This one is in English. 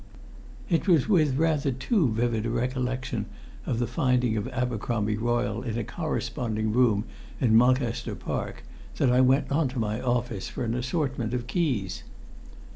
It was with rather too vivid a recollection of the finding of Abercromby Royle, in a corresponding room in Mulcaster Park, that I went on to my office for an assortment of keys.